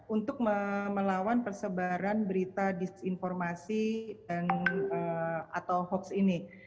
untuk melawan persebaran berita disinformasi atau hoax ini